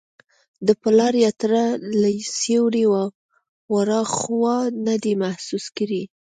د پلار یا تره له سیوري وراخوا نه دی محسوس کړی.